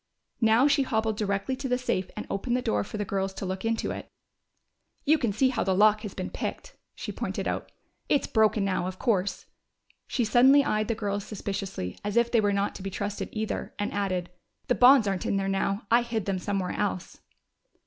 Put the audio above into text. Now she hobbled directly to the safe and opened the door for the girls to look into it. "You can see how the lock has been picked," she pointed out. "It's broken now, of course." She suddenly eyed the girls suspiciously, as if they were not to be trusted either, and added, "The bonds aren't in there now! I hid them somewhere else."